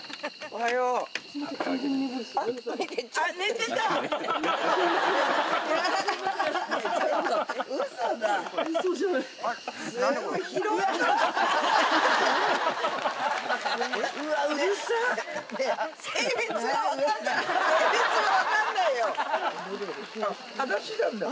はだしなんだ！